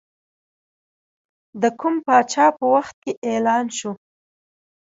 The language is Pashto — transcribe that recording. د کوم پاچا په وخت کې اعلان شوه.